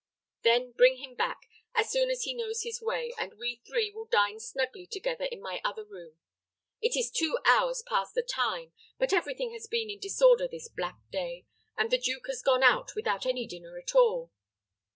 Then bring him back, as soon as he knows his way, and we three will dine snugly together in my other room. It is two hours past the time; but every thing has been in disorder this black day, and the duke has gone out without any dinner at all.